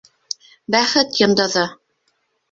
Бәхет йондоҙо!